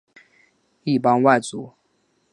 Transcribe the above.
一般外族。